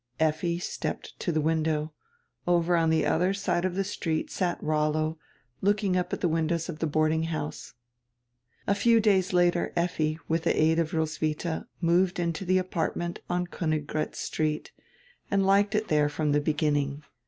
Effi stepped to die window. Over on die odier side of die street sat Rollo, looking up at die windows of die boarding house. A few days later Effi, widi die aid of Roswitha, moved into die apartment on Koniggratz St., and liked it there from die beginning.